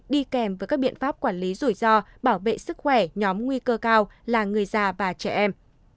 đi kèm với các biện pháp quản lý rủi ro bảo vệ sức khỏe nhóm nguy cơ cao là người già và trẻ em